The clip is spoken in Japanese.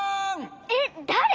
えっだれ！？